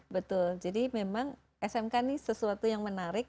betul jadi memang smk ini sesuatu yang menarik